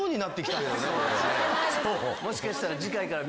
もしかしたら。